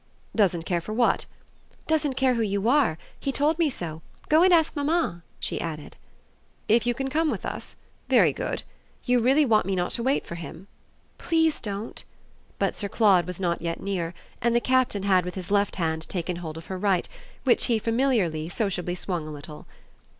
"Doesn't care for what?" "Doesn't care who you are. He told me so. Go and ask mamma," she added. "If you can come with us? Very good. You really want me not to wait for him?" "PLEASE don't." But Sir Claude was not yet near, and the Captain had with his left hand taken hold of her right, which he familiarly, sociably swung a little.